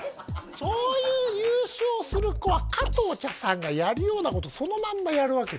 そういう優勝する子は加藤茶さんがやるようなことそのまんまやるわけですよ